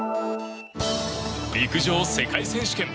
陸上世界選手権。